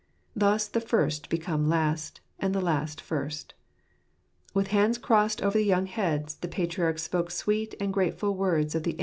Thus the first become last, and the last first. With hands crossed over the young heads the patriarch spoke sweet and grateful words of the